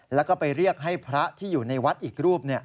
แล้วก็ไปเรียกให้พระที่อยู่ในวัดอีกรูป